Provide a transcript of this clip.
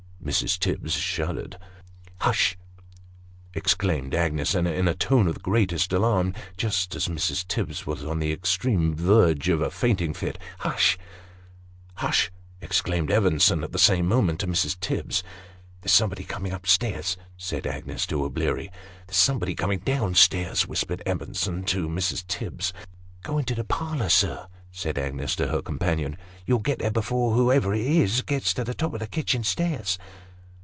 Mrs. Tibbs shuddered. " Hush !" exclaimed Agnes, in a tone of the greatest alarm, just as Mrs. Tibbs was on the extreme verge of a fainting fit. " Hush !"" Hush !" exclaimed Evenson, at the same moment to Mrs. Tibbs. " There's somebody coming ttp stairs," said Agnes to O'Bleary. "There's somebody coming dowm stairs," whispered Evenson to Mrs. Tibbs. " Go into the parlour, sir," said Agnes to her companion. " You will get there, before whoever it is, gets to the top of the kitchen stairs."